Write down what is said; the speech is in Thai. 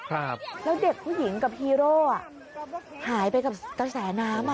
แล้วเด็กผู้หญิงกับฮีโร่หายไปกับกระแสน้ำ